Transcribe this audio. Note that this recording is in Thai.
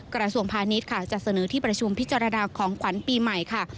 กระทรวงพาณิชย์ค่ะจะเสนอที่ประชุมพิจารณาของขวัญปีใหม่ค่ะ